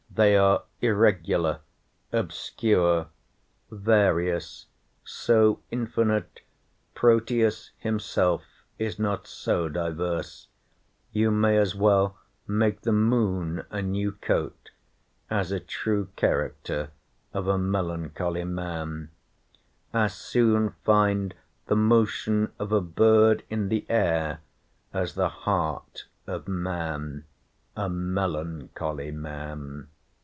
They are irregular, obscure, various, so infinite, Proteus himself is not so diverse; you may as well make the Moon a new coat, as a true character of a melancholy man; as soon find the motion of a bird in the air, as the heart of man, a melancholy man.